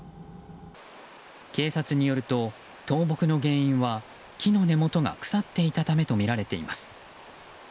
警察によると倒木の原因は木の根元が腐っていたためとみられています。